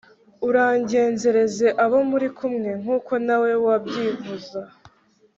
uragenzereze abo muri kumwe nk'uko na we wabyifuza